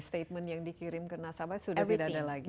statement yang dikirim ke nasabah sudah tidak ada lagi